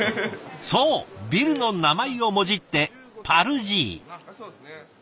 そうビルの名前をもじって「パル爺」。